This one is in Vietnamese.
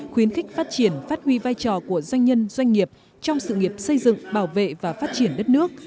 khuyến khích phát triển phát huy vai trò của doanh nhân doanh nghiệp trong sự nghiệp xây dựng bảo vệ và phát triển đất nước